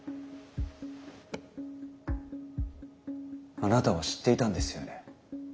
あなたは知っていたんですよね？